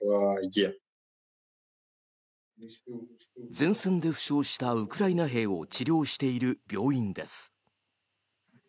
前線で負傷したウクライナ兵を治療している病院です。